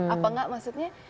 apa enggak maksudnya